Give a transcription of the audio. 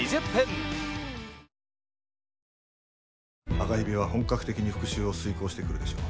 赤蛇は本格的に復讐を遂行してくるでしょう。